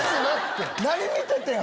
何見ててん？